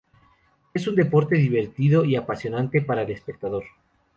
Es un deporte divertido y apasionante para el espectador.